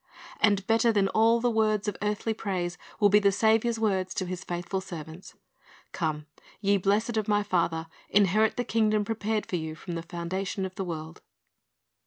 And better than all the words of earthly praise, will be the Saviour's words to His faithful servants, "Come, ye blessed of My father, inherit the kingdom prepared for you from the foundation of the world.